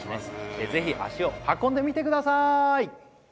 ぜひ足を運んでみてください